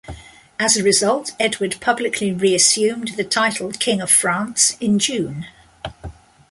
As a result, Edward publicly reassumed the title 'King of France' in June.